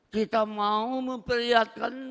kita mau memperlihatkan